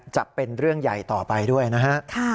จะเป็นเรื่องใหญ่ต่อไปด้วยนะฮะ